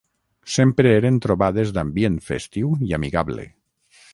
Sempre eren trobades d'ambient festiu i amigable.